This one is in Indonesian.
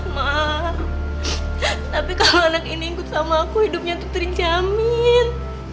maaf tapi kalau anak ini ikut sama aku hidupnya untuk terjamin